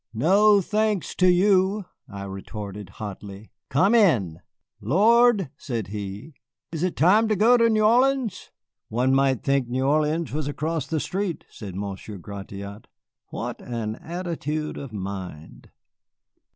"No thanks to you," I retorted hotly. "Come in." "Lord," said he, "is it time to go to New Orleans?" "One might think New Orleans was across the street," said Monsieur Gratiot. "What an attitude of mind!"